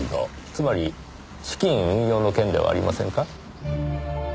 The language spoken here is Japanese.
つまり資金運用の件ではありませんか？